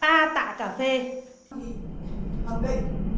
ta tạ cà phê